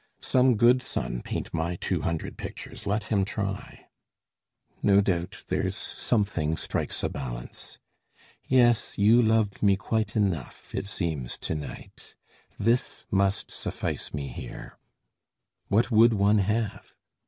Some good son Paint my two hundred pictures let him try! No doubt, there's something strikes a balance. Yes, You loved me quite enough, it seems to night. This must suffice me here. What would one have?